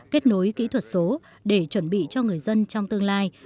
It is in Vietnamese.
kết nối kỹ thuật số để chuẩn bị cho người dân trong tương lai